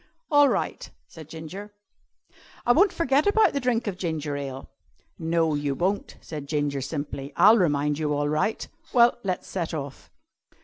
"All right," said Ginger. "I won't forget about the drink of ginger ale." "No, you won't," said Ginger simply. "I'll remind you all right. Well, let's set off."